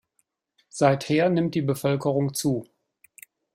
Seither nimmt die Bevölkerung zu.